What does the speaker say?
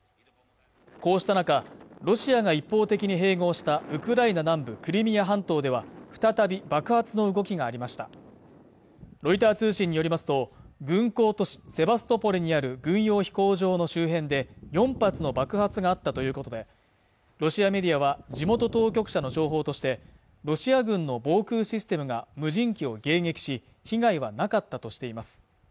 こうした中ロシアが一方的に併合したウクライナ南部クリミア半島では再び爆発の動きがありましたロイター通信によりますと軍港都市セバストポリにある軍用飛行場の周辺で４発の爆発があったということでロシアメディアは地元当局者の情報としてロシア軍の防空システムが無人機を迎撃し被害はなかったとしています